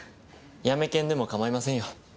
ヤメ検でも構いませんよ。